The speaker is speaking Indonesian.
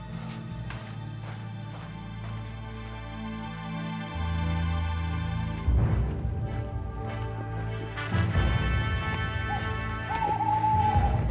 terima kasih pak